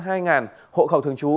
hộ khẩu thường trú